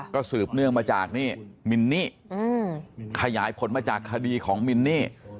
ก็สืบเนื่องมาจากนี่มินนี่ขยายผลมาจากคดีของมินนี่